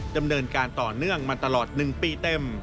ดำเนินการต่อเนื่องมาตลอด๑ปีเต็ม